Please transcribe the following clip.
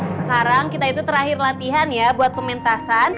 sekarang kita itu terakhir latihan ya buat pementasan